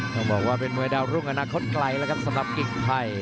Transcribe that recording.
ต้องบอกว่าเป็นมวยดาวรุ่งอนาคตไกลแล้วครับสำหรับกิ่งไทย